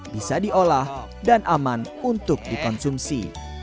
bisa diolah dan aman untuk dikonsumsi